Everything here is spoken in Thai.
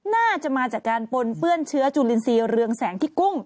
น่าจะมาจากการปนเปื้อนเชื้อจุลินทรีย์เรืองแสงที่กุ้ง